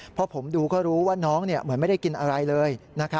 พอผมดูก็รู้ว่าน้องเหมือนไม่ได้กินอะไรเลย